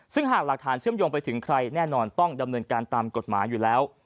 ซึ่งหากหลักฐานเชื่อมโยงไปถึงใครแน่นอนต้องดำเนินการตามกฎหมายอยู่แล้ว